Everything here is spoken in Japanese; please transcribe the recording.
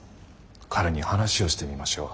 彼に話をしてみましょう。